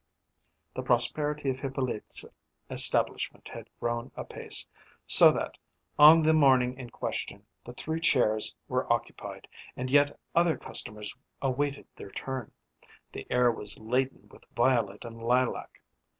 The prosperity of Hippolyte's establishment had grown apace, so that, on the morning in question, the three chairs were occupied, and yet other customers awaited their turn. The air was laden with violet and lilac.